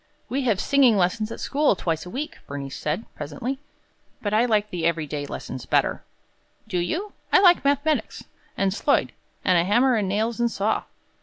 "We have singing lessons at school twice a week," Bernice said, presently, "but I like the every day lessons better." "Do you? I like mathematics, and sloyd, and a hammer and nails and saw.